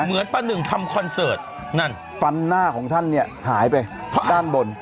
เหมือนป้าหนึ่งทำคอนเสิร์ตนั่นฟันหน้าของท่านเนี่ยหายไปเพราะด้านบน